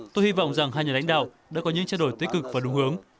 tôi hy vọng rằng hai nhà lãnh đạo đã có những trao đổi tích cực và đúng hướng